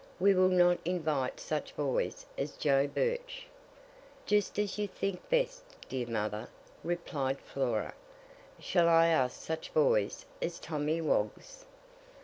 We will not invite such boys as Joe Birch." "Just as you think best, dear mother," replied Flora. "Shall I ask such boys as Tommy Woggs?"